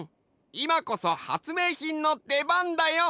いまこそ発明品のでばんだよ！